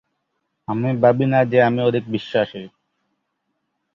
আমি ভাবি না যে আমি অধিক-বিশ্বাসী।